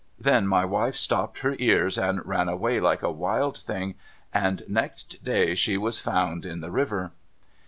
' Then my wife stopped her ears, and ran away like a wild thing, and next day she was found in the river.